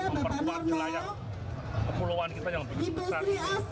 memperkuat wilayah kemulauan kita yang lebih besar